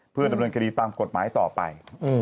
เพื่อดำเนินคดีตามกฎหมายต่อไป